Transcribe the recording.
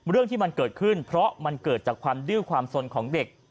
เรื่องที่มันเกิดขึ้นเพราะมันเกิดจากความดื้อความสนของเด็ก